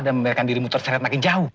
dan membiarkan dirimu terseret makin jauh